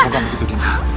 tidak begitu dinda